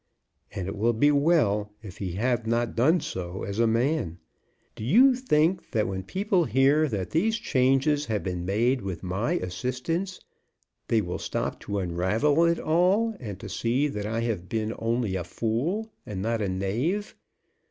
"And it will be well if he have not done so as a man. Do you think that when people hear that these changes have been made with my assistance they will stop to unravel it all, and to see that I have been only a fool and not a knave?